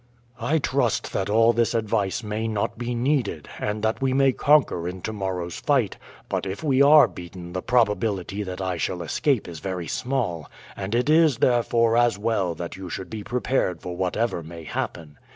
"I trust that all this advice may not be needed and that we may conquer in to morrow's fight, but if we are beaten the probability that I shall escape is very small, and it is therefore as well that you should be prepared for whatever may happen.